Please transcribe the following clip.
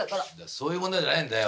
そういう問題じゃないんだよ。